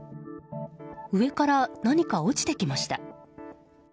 上から何か落ちてきました。